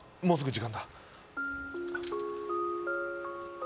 もうすぐ時間だ